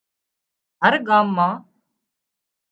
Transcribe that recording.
هر ڳام مان